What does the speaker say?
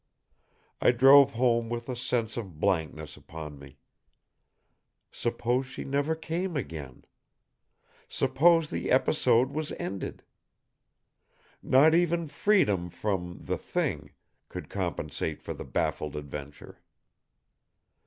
I drove home with a sense of blankness upon me. Suppose she never came again? Suppose the episode was ended? Not even freedom from the Thing could compensate for the baffled adventure.